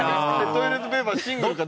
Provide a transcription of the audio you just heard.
トイレットペーパーシングルか？